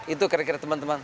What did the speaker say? itu kira kira teman teman